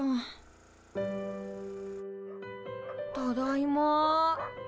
ただいま。